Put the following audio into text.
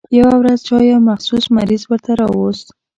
يوه ورځ چا يو مخصوص مریض ورته راوست.